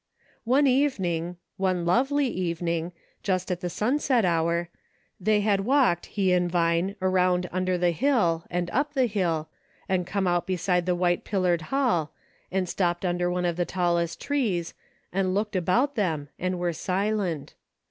One evening, one lovelv evening, just at the sunset hour, they had walked, he and Vine, around under the hill, and up the hill, and come out beside the white pillared hall and stopped under one of 340 " THAT BEATS ME !" the tallest trees, and looked about them, and were silent.